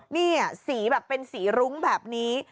นี่สีแบบเป็นสีรุ้งแบบนี้